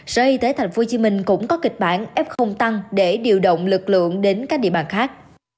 sở y tế tp hcm cũng có kịch bản f tăng để điều động lực lượng đến các địa bàn khác